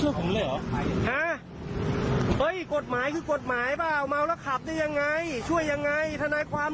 เฮ้ยกฎหมายคือกฎหมายแปลว่าเมาแล้วขับได้ยังไงช่วยยังไงทนัยความ